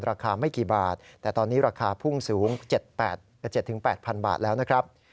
ราคาไม่กี่บาทแต่ตอนนี้ราคาพุ่งสูง๗๘๐๐บาทแล้วนะครับ